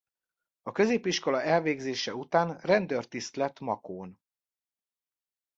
A középiskola elvégzése után rendőrtiszt lett Makón.